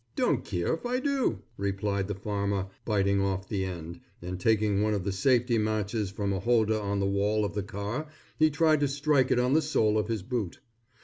"Don't keer if I do," replied the farmer biting off the end, and taking one of the safety matches from a holder on the wall of the car he tried to strike it on the sole of his boot.